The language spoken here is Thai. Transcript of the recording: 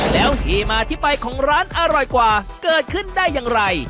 แล้วที่มาที่ไปของร้านอร่อยกว่าเกิดขึ้นได้อย่างไร